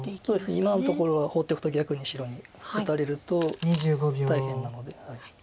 今のところは放っておくと逆に白に打たれると大変なので。